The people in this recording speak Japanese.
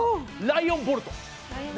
ライオンボルト。